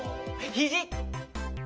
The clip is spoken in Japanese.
ひじ！